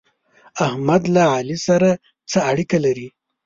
احمد له علي سره څه اړېکې لري؟